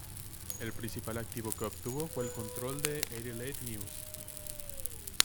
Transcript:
El principal activo que obtuvo fue el control de "Adelaide News".